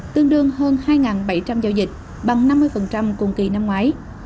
tương đương hơn hai bảy trăm linh giao dịch bằng năm mươi cùng kỳ năm ngoái